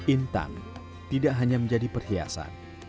intan tidak hanya menjadi perhiasan